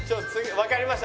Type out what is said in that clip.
わかりました